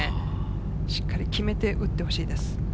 しっかり決めて打ってほしいです。